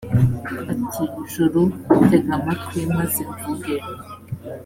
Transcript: ati «juru, tega amatwi, maze mvuge.